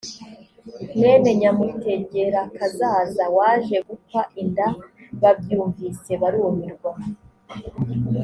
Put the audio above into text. mwene nyamutegerakazaza waje gukwa inda babyumvise barumirwa